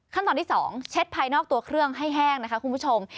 ขั้นตอนที่๒เช็ดภายนอกตัวเครื่องให้แห้งนะคะคุณผู้ชม